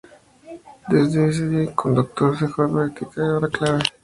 Desde ese día, el coconductor dejó de participar en "Hora clave".